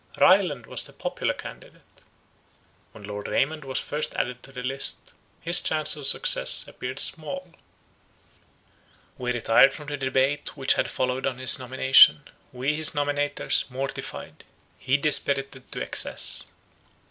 Ryland was the popular candidate; when Lord Raymond was first added to the list, his chance of success appeared small. We retired from the debate which had followed on his nomination: we, his nominators, mortified; he dispirited to excess.